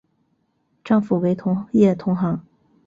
丈夫为同业同行。